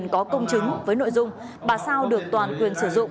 chứng với nội dung bà sao được toàn quyền sử dụng